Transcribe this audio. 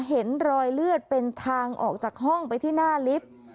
เห็นรอยเลือดเป็นทางออกจากห้องไปที่หน้าลิฟต์